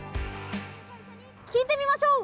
聴いてみましょう！